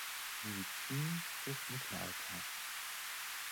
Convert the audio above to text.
Medizin des Mittelalters